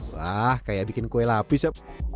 wah kayak bikin kue lapis ya